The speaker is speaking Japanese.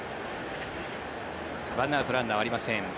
１アウトランナーはありません。